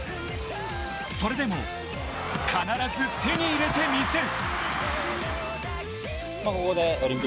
それでも必ず手に入れてみせる。